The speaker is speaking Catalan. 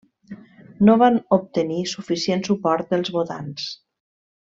No van obtenir suficient suport dels votants.